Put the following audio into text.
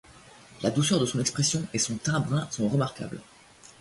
La douceur de son expression et son teint brun sont remarquables.